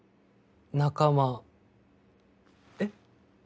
「仲間えっ？